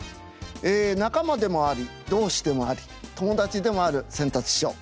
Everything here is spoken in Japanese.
え仲間でもあり同志でもあり友達でもある扇辰師匠。